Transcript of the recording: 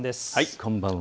こんばんは。